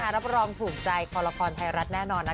รับประลองถูกใจพลพรไทยรัฐแน่นอนนะ